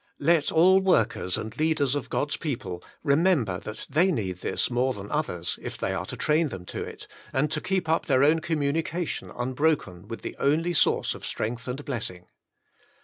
Let all workers and leaders of God's people ^6 The Inner Chamber remember that they need this more than others, if they are to train them to it, and to keep up their own communication unbroken with the only source of strength and blessing.